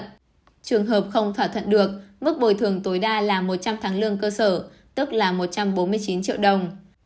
trường hợp không thỏa thuận được mức bồi thường tối đa là một trăm linh tháng lương cơ sở tức là một trăm bốn mươi chín triệu đồng